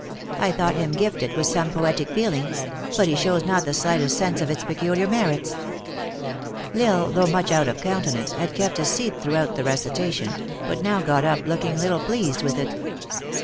I thought him gifted with some 314 THE ACTRESS IN HIGH LIFE. poetic feeling, but he shows not the slightest sense of its peculiar merits." L Isle, though much out of countenance, had kept his seat through the recitation, but now got up look ing little pleased with it.